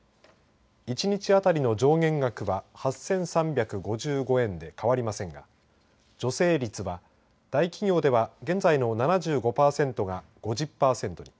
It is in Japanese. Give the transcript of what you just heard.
１日当たりの上限額は８３５５円で変わりませんが助成率は大企業では現在の７５パーセントが５０パーセントに。